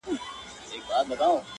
• لمبو وهلی سوځولی چنار,